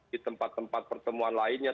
di tempat tempat pertemuan lainnya